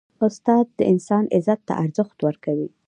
استاد د انسان عزت ته ارزښت ورکوي.